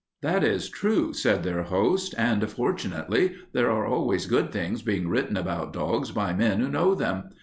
"That is true," said their host, "and fortunately there are always good things being written about dogs by men who know them.